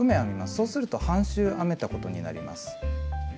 そうすると半周編めたことになります。